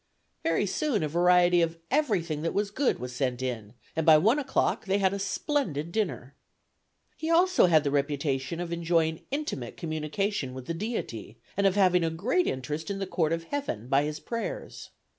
Very soon a variety of everything that was good was sent in, and by one o'clock they had a splendid dinner. "He had also the reputation of enjoying intimate communication with the Deity, and of having a great interest in the Court of Heaven by his prayers.